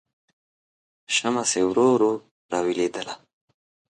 شمعه چې ورو ورو راویلېدله